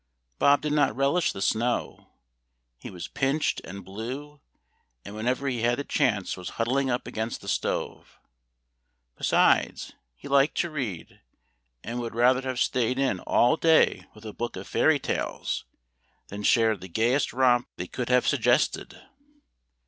Bob did not relish the snow; he was pinched and blue, and whenever he had the chance was huddling up against the stove; besides, he liked to read, and would rather have staid in all day with a book of fairy tales than shared the gayest romp they could have suggested.